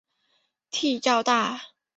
蹄较大。